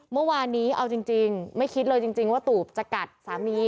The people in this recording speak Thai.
เมื่อวานนี้เอาจริงไม่คิดเลยจริงว่าตูบจะกัดสามี